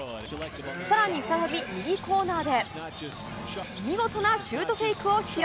さらに再び右コーナーで、見事なシュートフェイクを披露。